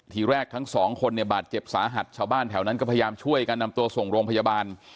ทีแรกทั้งสองคนเนี่ยบาดเจ็บสาหัสชาวบ้านแถวนั้นก็พยายามช่วยกันนำตัวส่งโรงพยาบาล